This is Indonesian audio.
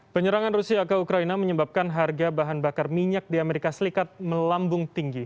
penyerangan rusia ke ukraina menyebabkan harga bahan bakar minyak di amerika serikat melambung tinggi